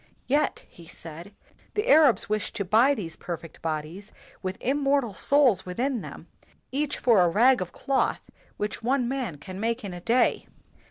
"Yet," he said, "the Arabs wish to buy these perfect bodies with immortal souls within them, each for a rag of cloth which one man can make in a day.